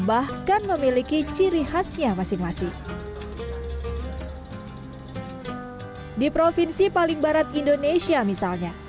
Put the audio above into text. bahkan memiliki ciri khasnya masing masing di provinsi paling barat indonesia misalnya